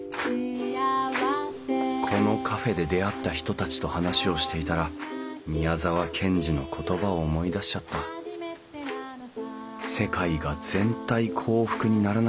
このカフェで出会った人たちと話をしていたら宮沢賢治の言葉を思い出しちゃったこんな時代だからこそ心に響くよね。